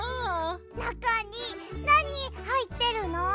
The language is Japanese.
なかになにはいってるの？